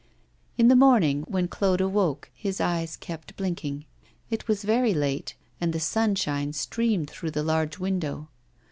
In the morning, when Claude awoke, his eyes kept blinking. It was very late, and the sunshine streamed through the large window.